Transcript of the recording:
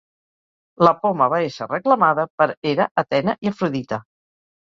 La poma va ésser reclamada per Hera, Atena, i Afrodita.